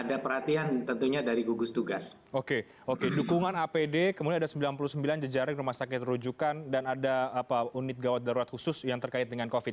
ada unit gawat darurat khusus yang terkait dengan covid